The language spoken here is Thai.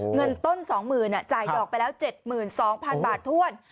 เงินต้นสองหมื่นจ่ายดอกไปแล้วเจ็ดหมื่นสองพันบาทถ้วน